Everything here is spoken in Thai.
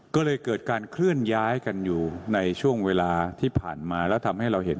ก็เลยเกิดการเคลื่อนย้ายกันอยู่ในช่วงเวลาที่ผ่านมาแล้วทำให้เราเห็น